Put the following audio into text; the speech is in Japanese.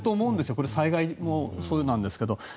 これは災害もそうなんですけど。